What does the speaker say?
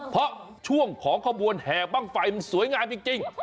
เพราะช่วงของขบวนแห่บ้างไฟมันสวยงามจริง